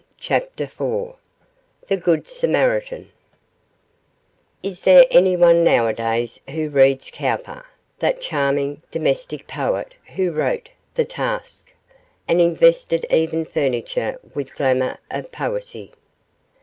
CHAPTER IV THE GOOD SAMARITAN Is there anyone nowadays who reads Cowper that charming, domestic poet who wrote 'The Task', and invested even furniture with the glamour of poesy?